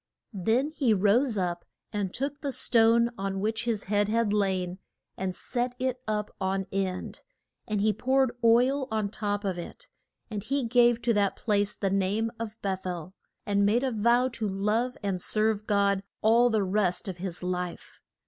Then he rose up and took the stone on which his head had lain and set it up on end, and he poured oil on top of it. And he gave to that place the name of Beth el, and made a vow to love and serve God all the rest of his life.